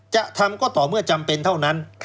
จะทำก็ต่อเมื่อจำเป็นเท่านั้น